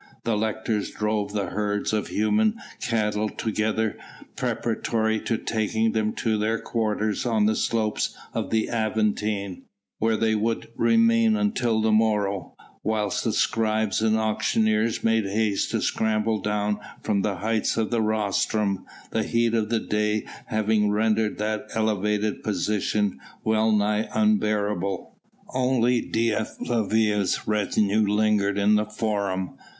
The lictors drove the herds of human cattle together preparatory to taking them to their quarters on the slopes of the Aventine where they would remain until the morrow; whilst the scribes and auctioneers made haste to scramble down from the heights of the rostrum, the heat of the day having rendered that elevated position well nigh unbearable. Only Dea Flavia's retinue lingered in the Forum.